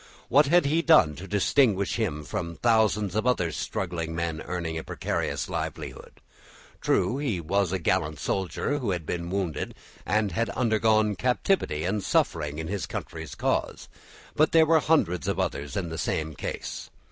What had he done to distinguish him from thousands of other struggling men earning a precarious livelihood? True, he was a gallant soldier, who had been wounded and had undergone captivity and suffering in his country's cause, but there were hundreds of others in the same case.